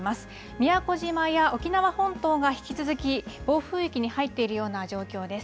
宮古島や沖縄本島が引き続き暴風域に入っているような状況です。